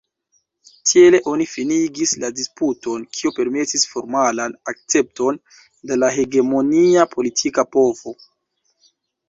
Tiele oni finigis la disputon, kio permesis formalan akcepton de la hegemonia politika povo.